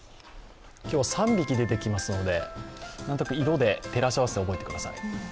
今日は３匹出てきますので、色で照らして合わせて覚えてください。